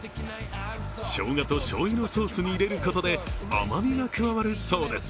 しょうがとしょうゆのソースに入れることで甘みが加わるそうです。